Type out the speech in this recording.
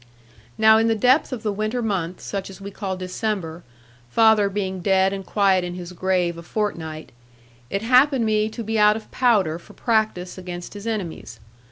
Now in the depth of the winter month, such as we call December, father being dead and quiet in his grave a fortnight, it happened me to be out of powder for practice against his enemies.